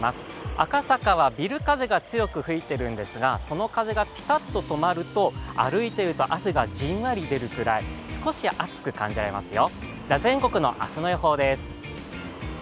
赤坂はビル風が強く吹いているんですが、その風がぴたっと止まると歩いていると汗がじんわり出るくらい、少し暑く感じますよ。